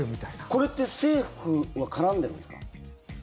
これって政府は絡んでるんですか？